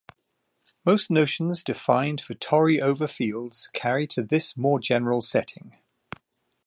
Most notions defined for tori over fields carry to this more general setting.